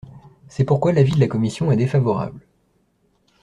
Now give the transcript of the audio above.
C’est pourquoi l’avis de la commission est défavorable.